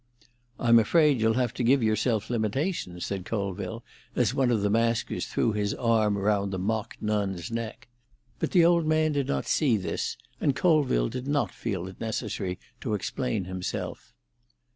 "I'm afraid you'll have to give yourself limitations," said Colville, as one of the maskers threw his arm round the mock nun's neck. But the old man did not see this, and Colville did not feel it necessary to explain himself.